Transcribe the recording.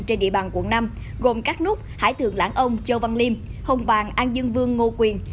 trên địa bàn quận năm gồm các nút hải thượng lãng ông châu văn liêm hồng bàng an dương vương ngô quyền